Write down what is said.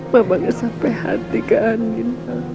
mama ngesap pehati ke angin